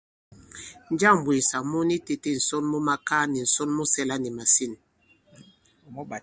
Njâŋ m̀mbwèŋsà mu ni itētē ǹsɔnmakaa nì ǹsɔn mu sɛla nì màsîn?